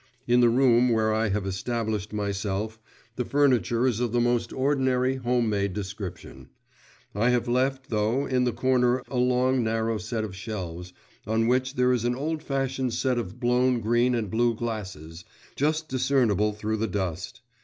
In the room where I have established myself, the furniture is of the most ordinary, home made description. I have left, though, in the corner, a long narrow set of shelves, on which there is an old fashioned set of blown green and blue glasses, just discernible through the dust.